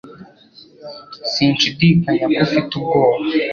Sinshidikanya ko ufite ubwoba